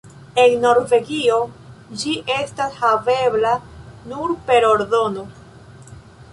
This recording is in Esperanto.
En Norvegio ĝi estas havebla nur per ordono.